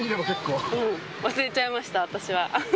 うん、忘れちゃいました、私は。